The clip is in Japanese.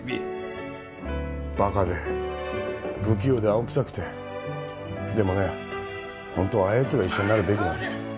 バカで不器用で青臭くてでもね本当はああいうヤツが医者になるべきなんだよ